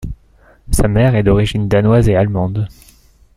Sa mère est d'origine danoise et allemande.